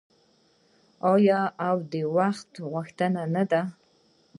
آیا او د وخت غوښتنه نه ده؟